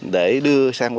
để đưa sang